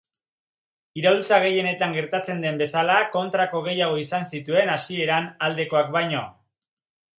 Iraultza gehienetan gertatzen den bezala, kontrako gehiago izan zituen hasieran aldekoak baino.